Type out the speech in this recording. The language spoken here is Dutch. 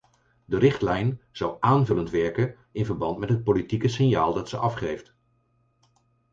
De richtlijn zou aanvullend werken in verband met het politieke signaal dat ze afgeeft.